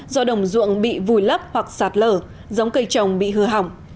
do đồng ruộng bị vùi lấp hoặc sạt lở giống cây trồng bị hư hỏng